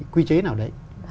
quy chế nào đấy